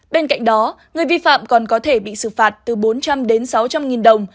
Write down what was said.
bên cạnh đó người vi phạm còn có thể bị xử phạt từ bốn trăm linh đến sáu trăm linh nghìn đồng